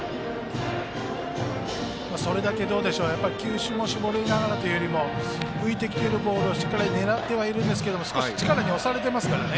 それだけ球種も絞りながらというよりも浮いてきているボールをしっかり狙っていますが少し力に押されていますから。